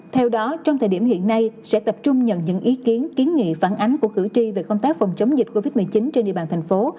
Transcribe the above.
theo đó trong thời điểm hiện nay sẽ tập trung nhận những ý kiến kiến nghị phản ánh của cử tri về công tác phòng chống dịch covid một mươi chín trên địa bàn thành phố